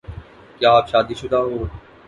کیا آپ شادی شدہ ہو